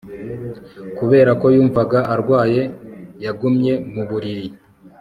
Kubera ko yumvaga arwaye yagumye mu buriri